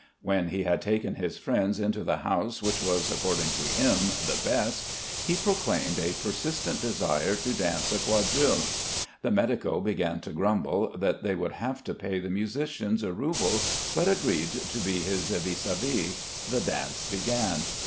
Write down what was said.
When he had taken his friends into the house which was according to him the best, he proclaimed a persistent desire to dance a quadrille. The medico began to grumble that they would have to pay the musicians a rouble but agreed to be his vis à vis. The dance began.